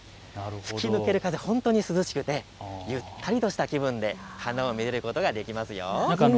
吹き抜ける風、本当に涼しくてゆったりとした気分で花をめでることができますよ。